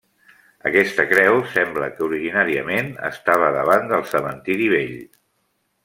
Aquesta creu sembla que originàriament estava davant del cementiri vell.